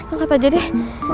angkat aja deh